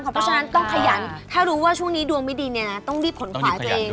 เพราะฉะนั้นต้องขยันถ้ารู้ว่าช่วงนี้ดวงไม่ดีเนี่ยนะต้องรีบขนขวาตัวเอง